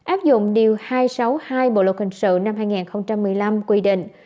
áp dụng điều hai trăm sáu mươi hai bộ luật hình sự năm hai nghìn một mươi năm quy định